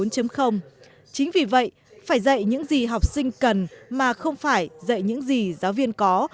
chính vì vậy phải dạy những gì học sinh cần mà không phải dạy những gì giáo viên có